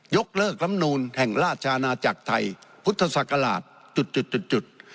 ยกเลิกลำนูลแห่งราชอาณาจักรไทยพุทธศักราชจุด